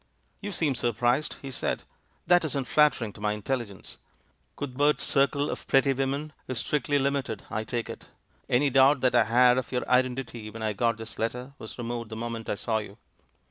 "You seem surprised," he said. "That isn't flattering to my intelligence. Cuthbert's circle of pretty w^omen is strictly limited, I take it — any doubt that I had of your identity when I got his letter was removed the moment I saw you."